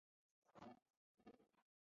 同盟国军事占领日本时禁止武道课程。